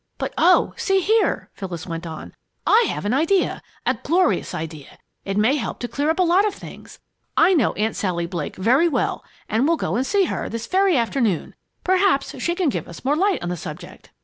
"But oh, see here!" Phyllis went on. "I have an idea a glorious idea! It may help to clear up a lot of things. I know Aunt Sally Blake very well, and we'll go and see her this very afternoon! Perhaps she can give us more light on the subject."